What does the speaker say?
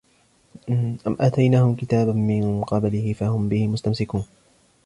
أَمْ آتَيْنَاهُمْ كِتَابًا مِنْ قَبْلِهِ فَهُمْ بِهِ مُسْتَمْسِكُونَ